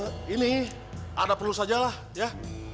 eh ini ada perlu sajalah ya